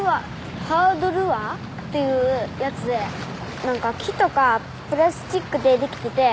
ハードルアーっていうやつで何か木とかプラスチックでできてて。